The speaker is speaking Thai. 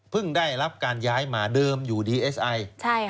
ได้รับการย้ายมาเดิมอยู่ดีเอสไอ